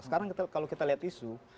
sekarang kalau kita lihat isu